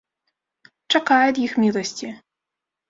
Чакай ад іх міласці.